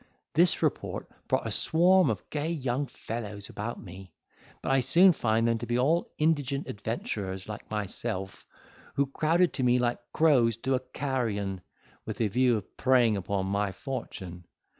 This report brought a swarm of gay young fellows about me; but I soon found them to be all indigent adventurers like myself, who crowded to me like crows to a carrion, with a view of preying upon my fortune.